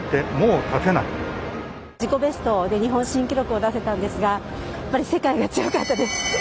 自己ベストで日本新記録を出せたんですがやはり世界が強かったです。